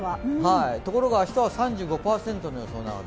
ところが明日は３５％の予想なので。